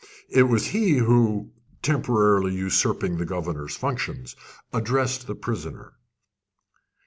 It was he who, temporarily usurping the governor's functions, addressed the prisoner.